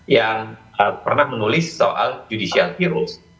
yang pernah menulis soal judicial virus